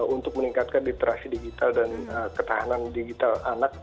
untuk meningkatkan literasi digital dan ketahanan digital anak